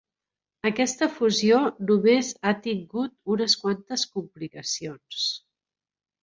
Aquesta fusió només a tingut unes quantes complicacions.